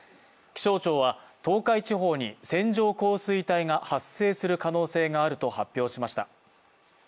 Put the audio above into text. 気象庁は東海地方に線状降水帯が発生する可能性があると発表しました。